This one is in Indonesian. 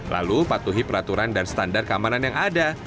lalu patuhi peraturan dan standar keamanan yang ada